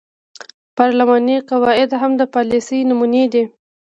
پارلماني قواعد هم د پالیسۍ نمونې دي.